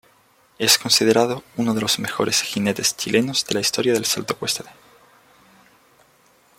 Es considerado uno de los mejores jinetes chilenos de la historia del salto ecuestre.